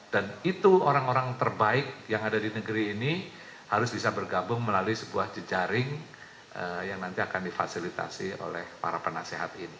dan itu orang orang terbaik yang ada di negeri ini harus bisa bergabung melalui sebuah jejaring yang nanti akan difasilitasi oleh para penasehat ini